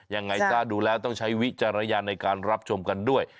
ยังไงซะดูแล้วต้องใช้วิจารณญาณในการรับชมกันด้วย